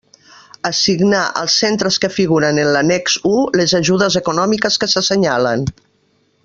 Assignar als centres que figuren en l'Annex u les ajudes econòmiques que s'assenyalen.